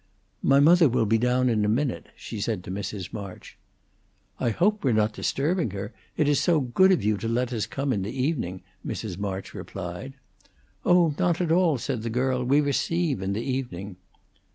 "My mother will be down in a minute," she said to Mrs. March. "I hope we're not disturbing her. It is so good of you to let us come in the evening," Mrs. March replied. "Oh, not at all," said the girl. "We receive in the evening."